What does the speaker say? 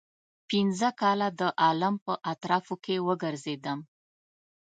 پنځه کاله د عالم په اطرافو کې وګرځېدم.